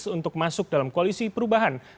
untuk masuk dalam koalisi perubahan